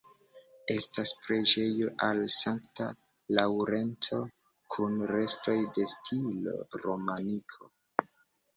Estas preĝejo al Sankta Laŭrenco kun restoj de stilo romaniko.